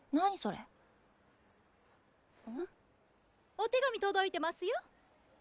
お手紙届いてますよ。